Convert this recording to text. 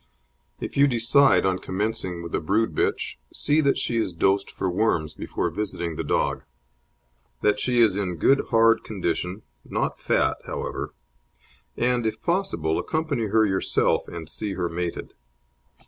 If you decide on commencing with a brood bitch, see that she is dosed for worms before visiting the dog; that she is in good hard condition not fat, however; and, if possible, accompany her yourself and see her mated.